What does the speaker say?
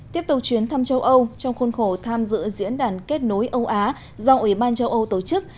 tiếp tục chuyến thăm châu âu trong khuôn khổ tham dự diễn đàn kết nối âu á do ủy ban châu âu tổ chức